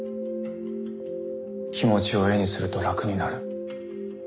気持ちを絵にすると楽になる。